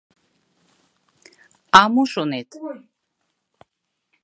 — А мо шонет?